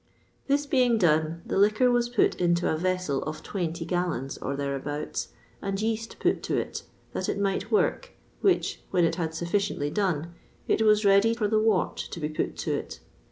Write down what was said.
This being done, the liquor was put into a vessel of twenty gallons, or thereabouts, and yeast put to it, that it might work, which when it had sufficiently done, it was ready for the wort to be put to it.